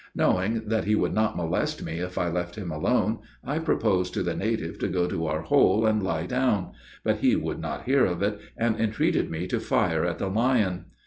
Knowing that he would not molest me if I left him alone, I proposed to the native to go to our hole and lie down, but he would not hear of it, and entreated me to fire at the lion.